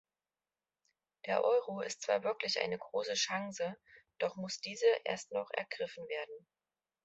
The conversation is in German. Der Euro ist zwar wirklich eine große Chance, doch muss diese erst noch ergriffen werden.